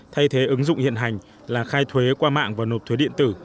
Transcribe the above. thay thế ứng dụng hiện hành là khai thuế qua mạng và nộp thuế điện tử